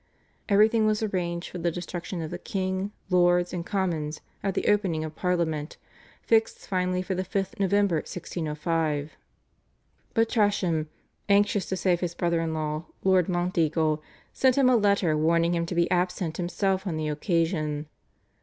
Everything was arranged for the destruction of the king, lords and commons at the opening of Parliament fixed finally for the 5th November 1605, but Tresham, anxious to save his brother in law, Lord Monteagle, sent him a letter warning him to absent himself on the occasion.